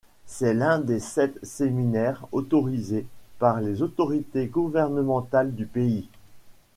C'est l'un des sept séminaires autorisés par les autorités gouvernementales du pays.